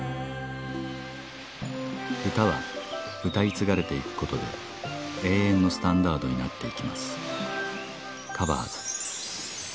歌は歌い継がれていくことで永遠のスタンダードになっていきます